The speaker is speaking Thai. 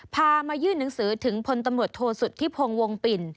พามายื่นหนังสือถึงพลตำรวจโทษสุทธิพงศ์วงปิ่น